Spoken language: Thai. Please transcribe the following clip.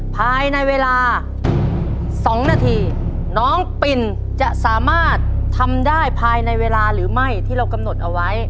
ภายในเวลา๒นาทีน้องปิ่นจะสามารถทำได้ภายในเวลาหรือไม่ที่เรากำหนดเอาไว้